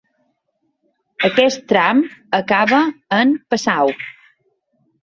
Aquest tram acaba en Passau.